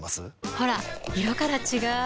ほら色から違う！